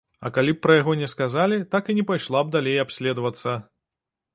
А калі б пра яго не сказалі, так і не пайшла б далей абследавацца.